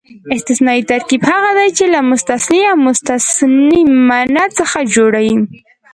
استثنایي ترکیب هغه دئ، چي له مستثنی او مستثنی منه څخه جوړ يي.